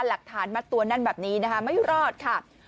หลักฐานมัดตัวนั้นแบบนี้นะคะ